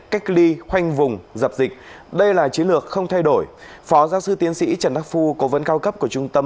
còn đây là trường hợp vi phạm giao thông